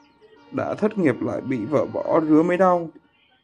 Đã thất nghiệp lại bị vợ bỏ, rứa mới đau